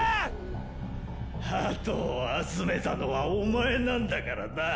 鳩を集めたのはおまえなんだからな。